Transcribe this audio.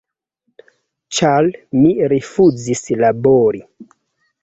Ĉar mi rifuzis labori.